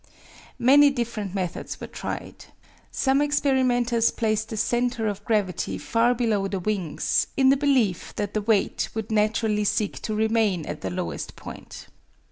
Many different methods were tried. Some experimenters placed the center of gravity far below the wings, in the belief that the weight would naturally seek to remain at the lowest point.